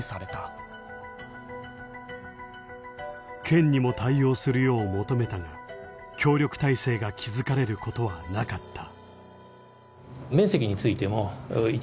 県にも対応するよう求めたが協力態勢が築かれることはなかった。